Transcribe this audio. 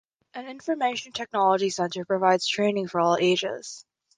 An Information Technology Centre provides training for all ages.